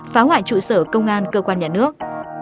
phá hoại trụ sở công an cơ quan nhà nước